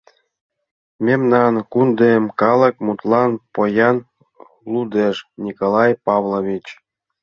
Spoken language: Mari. «Мемнан кундем калык мутлан поян, — лудеш Николай Павлович.